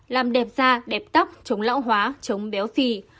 làm đẹp da đẹp tóc chống lão hóa chống béo phì